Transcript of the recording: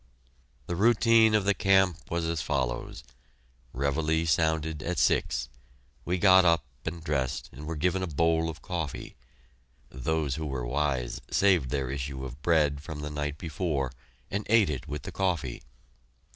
The routine of the camp was as follows: Reveille sounded at six. We got up and dressed and were given a bowl of coffee. Those who were wise saved their issue of bread from the night before, and ate it with the coffee.